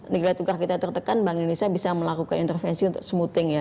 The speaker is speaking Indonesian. negara tukar kita tertekan bank indonesia bisa melakukan intervensi untuk smoothing ya